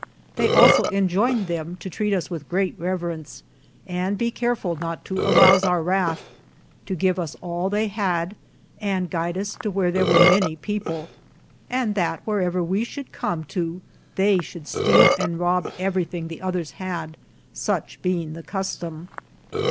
They also enjoined them to treat us with great reverence, and be careful not to arouse our wrath ; to give us all they had and guide us to where there were many people, and that wherever we should come to they should steal and rob everything the others had, such being the custom.